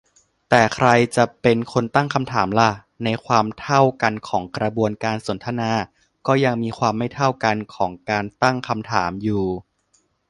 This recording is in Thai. แต่ใครจะเป็นคนตั้งคำถามล่ะ ? ในความเท่ากันของกระบวนการสนทนา ก็ยังมีความไม่เท่ากันของการตั้งคำถามอยู่